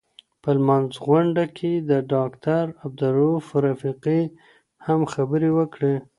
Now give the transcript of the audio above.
په لمانځغونډه کي داکټر عبدالروف رفیقي هم خبري وکړې.